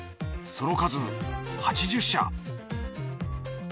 その数８０社。